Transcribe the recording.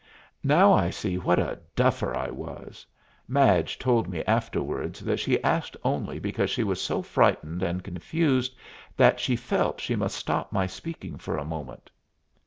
Now I see what a duffer I was Madge told me afterwards that she asked only because she was so frightened and confused that she felt she must stop my speaking for a moment.